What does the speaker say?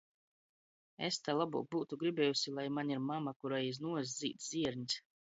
Es to lobuok byutu gribiejuse, lai maņ ir mama, kurai iz nuoss zīd zierņs.